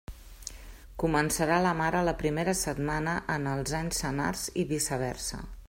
Començarà la mare la primera setmana en els anys senars i viceversa.